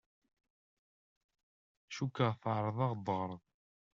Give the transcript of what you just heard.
Cukkeɣ tɛerḍeḍ ad aɣ-d-teɣṛeḍ.